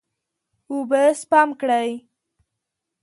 اوبه سپم کړئ.